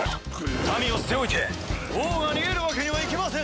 民を捨て置いて王が逃げるわけにはいきません。